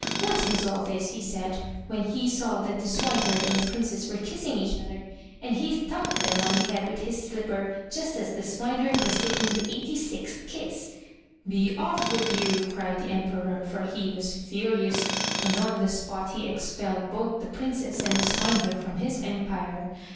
''What is all this?'' he said, when he saw that the swineherd and the Princess were kissing each other, and he thumped them on the head with his slipper just as the swineherd was taking the eighty sixth kiss. "Be off with you!" cried the Emperor, for he was furious, and on the spot he expelled both the Princess and the swineherd from his empire.